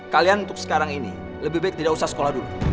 kalian untuk sekarang ini lebih baik tidak usah sekolah dulu